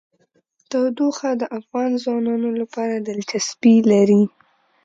تودوخه د افغان ځوانانو لپاره دلچسپي لري.